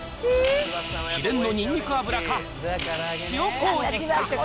秘伝のにんにく油か、塩こうじか。